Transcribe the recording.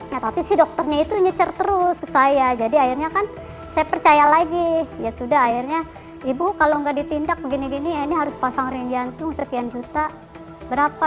nah tapi si dokternya itu nyecer terus ke saya jadi akhirnya kan saya percaya lagi ya sudah akhirnya ibu kalau nggak ditindak begini gini ya ini harus pasang ring jantung sekian juta berapa